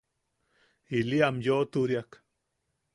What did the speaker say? Ili am yoʼoturiak.